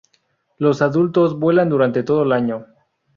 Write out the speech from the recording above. Los adultos vuelan durante todo el año.